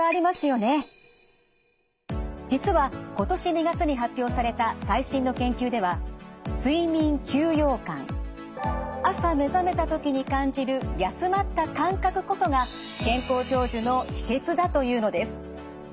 実は今年２月に発表された最新の研究では睡眠休養感朝目覚めたときに感じる休まった感覚こそが健康長寿の秘けつだというのです。